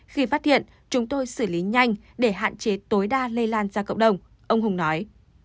khi phát hiện chúng tôi xử lý nhanh để hạn chế tối đa lây lan ra cộng đồng ông hùng nói